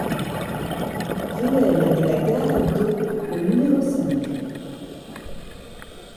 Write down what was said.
Ruelle de la Gare d'Eau au numéro cinq